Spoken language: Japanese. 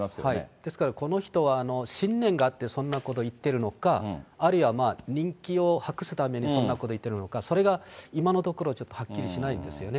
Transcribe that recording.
ですからこの人は信念があってそんなこと言っているのか、あるいはまあ、人気を博すためにそんなこと言ってるのか、それが今のところちょっとはっきりしないんですよね。